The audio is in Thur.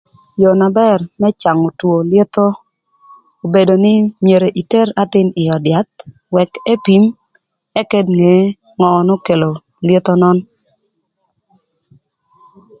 Yoo na bër më cangö two lyetho obedo nï, myero iter athïn ï öd yath wëk epim ëk enge ngö n'okelo lyetho nön.